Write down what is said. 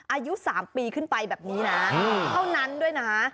อายุ๓ปีขึ้นไปแบบนี้นะเท่านั้นด้วยนะ